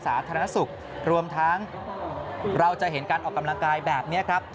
สาธารณสุขรวมทั้งเราจะเห็นการออกกำลังกายแบบนี้ครับ